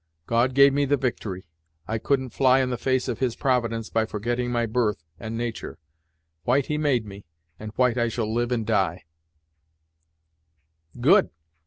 God gave me the victory; I coul'n't fly in the face of his Providence by forgetting my birth and natur'. White he made me, and white I shall live and die." "Good!